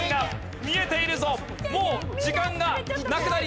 もう時間がなくなります。